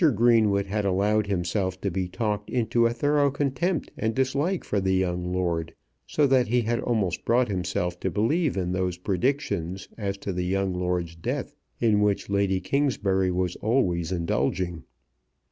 Greenwood had allowed himself to be talked into a thorough contempt and dislike for the young lord; so that he had almost brought himself to believe in those predictions as to the young lord's death in which Lady Kingsbury was always indulging.